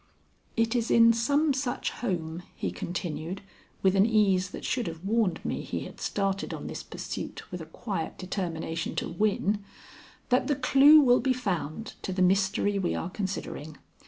"It is in some such home," he continued with an ease that should have warned me he had started on this pursuit with a quiet determination to win, "that the clue will be found to the mystery we are considering.